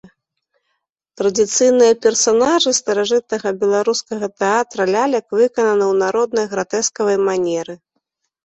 Традыцыйныя персанажы старажытнага беларускага тэатра лялек выкананы ў народнай, гратэскавай манеры.